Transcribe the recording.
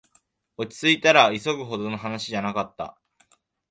落ちついたら、急ぐほどの話じゃなかった